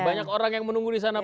banyak orang yang menunggu disana